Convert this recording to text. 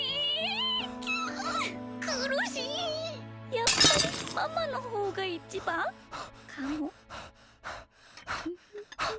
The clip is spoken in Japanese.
やっぱりママのほうがいちばん？かも。